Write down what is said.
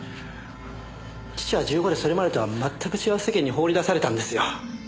父は１５でそれまでとは全く違う世間に放り出されたんですよ。